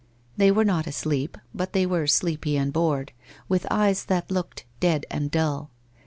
They were not asleep, but they were sleepy and bored, with eyes that looked dead and dull.